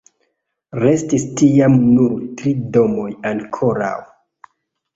Restis tiam nur tri domoj ankoraŭ.